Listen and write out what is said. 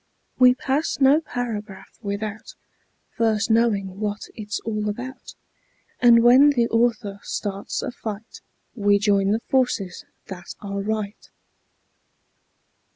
We pass no paragraph without First knowing what it's all about, And when the author starts a fight We join the forces that are right.